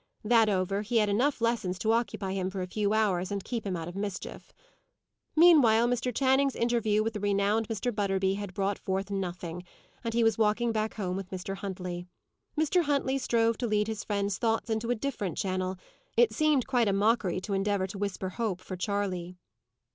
That over, he had enough lessons to occupy him for a few hours, and keep him out of mischief. Meanwhile Mr. Channing's interview with the renowned Mr. Butterby had brought forth nothing, and he was walking back home with Mr. Huntley. Mr. Huntley strove to lead his friend's thoughts into a different channel: it seemed quite a mockery to endeavour to whisper hope for Charley.